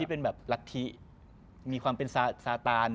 ที่เป็นแบบลักษณ์ที่มีความเป็นซาตาน